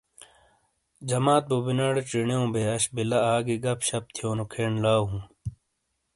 جَمات بُوبِناڑے چِینیو بے اَش بِیلہ آگی گَپ شَپ تھِیونو کھین لاؤ ہوں۔